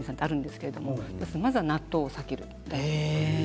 まずは納豆を避けるです。